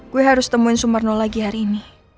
gue harus temuin sumarno lagi hari ini